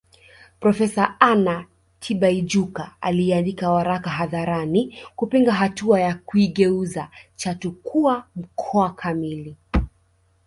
Profesa Anna Tibaijuka aliyeandika waraka hadharani kupinga hatua ya kuigeuza Chato kuwa mkoa kamili